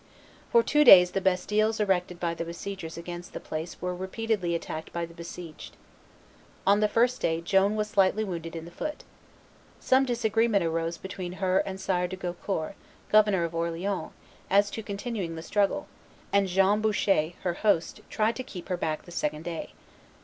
For two days the bastilles erected by the besiegers against the place were repeatedly attacked by the besieged. On the first day Joan was slightly wounded in the foot. Some disagreement arose between her and Sire de Gaucourt, governor of Orleans, as to continuing the struggle; and John Boucher, her host, tried to keep her back the second day.